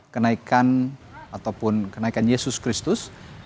kenaikan ataupun kenaikan yesus kristus